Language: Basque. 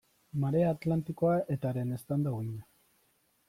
Marea Atlantikoa eta haren eztanda-uhina.